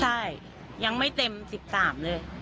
ใช่ยังไม่เต็ม๑๓เลย